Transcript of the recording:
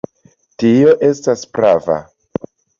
Tio estas prava.